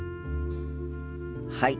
はい。